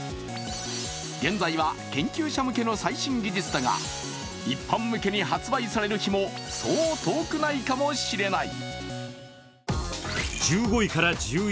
現在は研究者向けの最新技術だが一般向けに発売される日も、そう遠くないかもしれない。